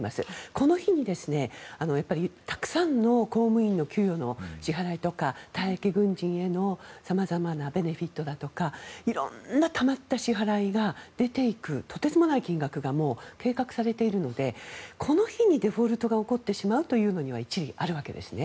この日にたくさんの公務員の給与の支払いとか退役軍人への様々なベネフィットだとか色んなたまった支払いが出ていくとてつもない金額が計画されているのでこの日にデフォルトが起こってしまうというのは一理あるわけですね。